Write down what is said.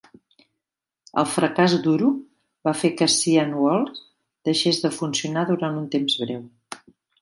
El fracàs d'Uru va fer que Cyan Worlds deixés de funcionar durant un temps breu.